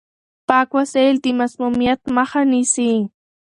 پاک وسايل د مسموميت مخه نيسي.